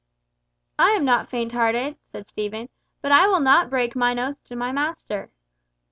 "I am not faint hearted," said Stephen; "but I will not break mine oath to my master."